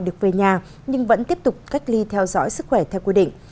được về nhà nhưng vẫn tiếp tục cách ly theo dõi sức khỏe theo quy định